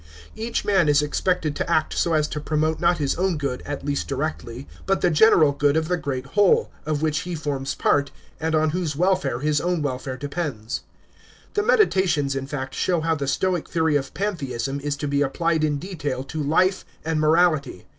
Each man is expected to act so as to promote not his own good, at least directly, but the general good of the great Whole, of which he forms part, and on whose welfare his own welfare depends. The Meditations in fact show how the tStoic theory of Pantheism is to be applied in detail to life and morality.